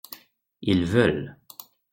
Ils veulent.